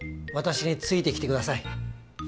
私についてきてください！